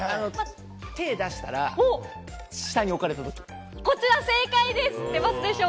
手を出したら下に置かれたとき、こちら、正解です。